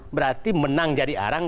berarti menang jadi arang